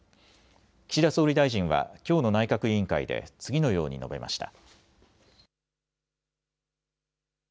岸田総理大臣はきょうの内閣委員会で次のように述べました。